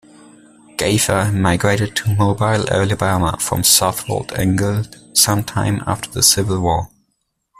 Gayfer migrated to Mobile, Alabama from Southwold, England sometime after the Civil War.